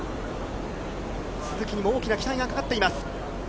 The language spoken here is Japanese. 都筑にも大きな期待がかかっています。